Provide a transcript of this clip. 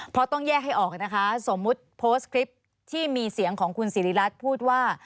เพราะต้องแยกให้ออกนะคะสมมุติโพสต์คลิปที่มีเสียงของคุณสิริรัตน์พูดว่า